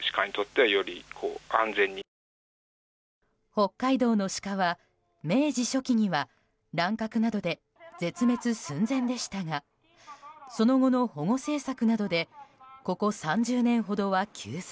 北海道のシカは明治初期には乱獲などで絶滅寸前でしたがその後の保護政策などでここ３０年ほどは急増。